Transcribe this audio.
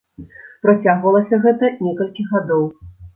Працягвалася гэта некалькі гадоў.